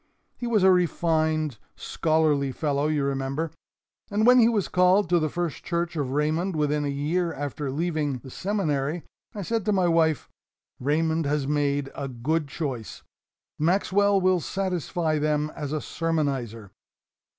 He was a refined, scholarly fellow, you remember, and when he was called to the First Church of Raymond within a year after leaving the Seminary, I said to my wife, 'Raymond has made a good choice. Maxwell will satisfy them as a sermonizer.'